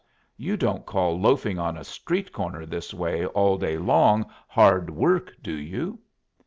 You don't call loafing on a street corner this way all day long hard work, do you?"